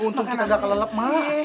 untung kita gak kelelep mak